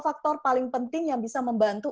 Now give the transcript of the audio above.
faktor paling penting yang bisa membantu